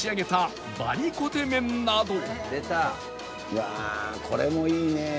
うわあこれもいいね。